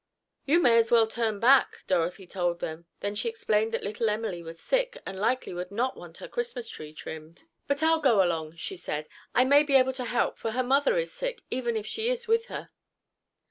"You may as well turn back," Dorothy told them. Then she explained that little Emily was sick, and likely would not want her Christmas tree trimmed. "But I'll go along," she said, "I may be able to help, for her mother is sick, even if she is with her."